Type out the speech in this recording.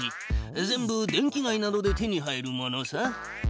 全部電気街などで手に入るものさ。